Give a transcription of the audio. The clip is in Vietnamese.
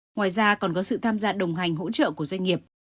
ngoài ra còn có sự tham gia đồng hành hỗ trợ của doanh nghiệp